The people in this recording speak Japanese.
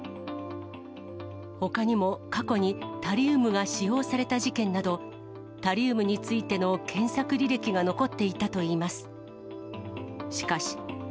ほかにも過去にタリウムが使用された事件など、タリウムについての検索履歴が残っていたといいます。